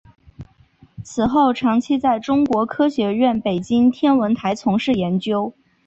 此后长期在中国科学院北京天文台从事研究。